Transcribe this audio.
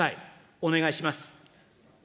お願いします。